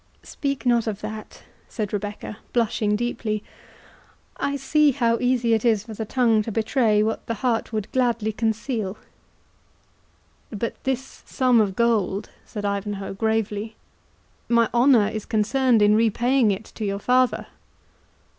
"Speak not of that," said Rebecca, blushing deeply; "I see how easy it is for the tongue to betray what the heart would gladly conceal." "But this sum of gold," said Ivanhoe, gravely, "my honour is concerned in repaying it to your father."